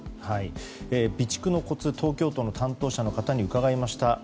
備蓄のコツ、東京都の担当者の方に伺いました。